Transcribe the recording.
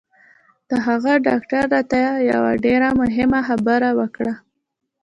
د هغه ډاکتر راته یوه ډېره مهمه خبره وکړه